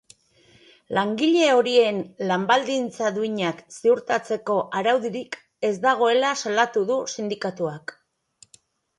Langile horien lan baldintza duinak ziurtatzeko araudirik ez dagoela salatu du sindikatuak.